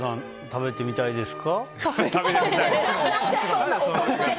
食べてみたいです。